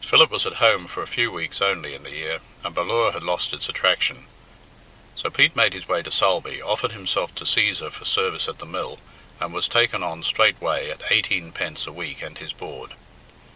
Philip was at home for a few weeks only in the year, and Ballure had lost its attraction. So Pete made his way to Sulby, offered himself to Cæsar for service at the mill, and was taken on straightway at eighteenpence a week and his board.